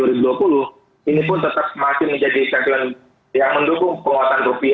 ini pun tetap masih menjadi tagline yang mendukung penguatan